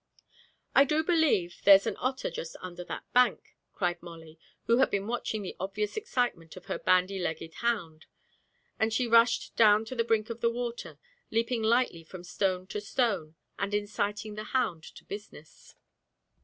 'I do believe there's an otter just under that bank,' cried Molly, who had been watching the obvious excitement of her bandy legged hound; and she rushed down to the brink of the water, leaping lightly from stone to stone, and inciting the hound to business.